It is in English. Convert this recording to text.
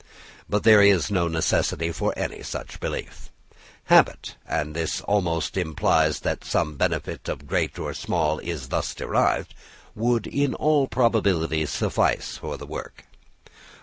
But there is no necessity for any such belief. Habit, and this almost implies that some benefit great or small is thus derived, would in all probability suffice for the work.